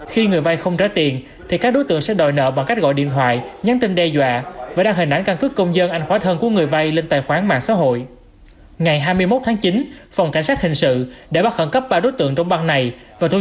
khi người vay không trả tiền thì các đối tượng sẽ đòi nợ bằng cách gọi điện thoại nhắn tin đe dọa và đăng hình ảnh căn cứ công dân ảnh khỏa thân của người vay lên tài khoản mạng xã hội